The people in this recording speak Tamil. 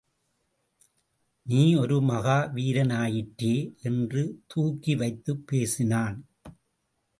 நீ ஒரு மகா வீரனாயிற்றே என்று தூக்கிவைத்துப் பேசினான்.